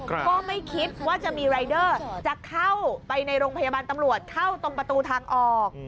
ก็ไม่คิดว่าจะมีรายเดอร์จะเข้าไปในโรงพยาบาลตำรวจเข้าตรงประตูทางออก